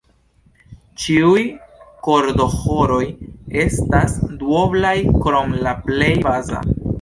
Ĉiuj kordoĥoroj estas duoblaj, krom la La plej basa.